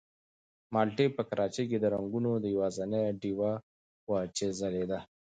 مالټې په کراچۍ کې د رنګونو یوازینۍ ډېوه وه چې ځلېده.